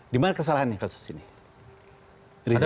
dimana kesalahannya kasus ini